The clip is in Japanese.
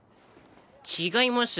違います。